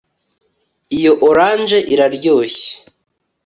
Iyi orange iraryoshye